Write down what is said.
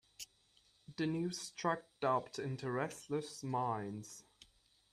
The news struck doubt into restless minds.